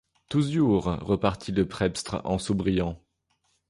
Tousiours ! repartit le prebstre en soubriant.